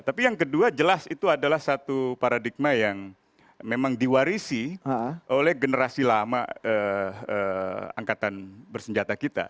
tapi yang kedua jelas itu adalah satu paradigma yang memang diwarisi oleh generasi lama angkatan bersenjata kita